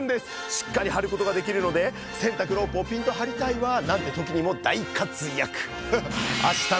しっかり張ることができるので洗濯ロープをピンと張りたいわなんて時にも大活躍。